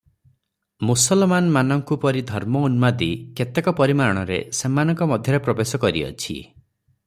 ମୁସଲମାନମାନଙ୍କୁ ପରି ଧର୍ମଉନ୍ମାଦି କେତେକ ପରିମାଣରେ ସେମାନଙ୍କ ମଧ୍ୟରେ ପ୍ରବେଶ କରିଅଛି ।